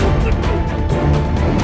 yang membunuh cecung cecung